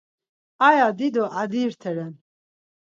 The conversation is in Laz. Aya dido adi rt̆eren.